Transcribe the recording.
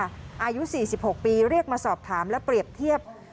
อายุ๔๖ปีเรียกมาสอบถามและเปรียบเทียบ